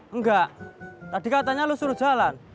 enggak tadi katanya lo suruh jalan